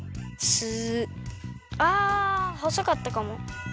あほそかったかも。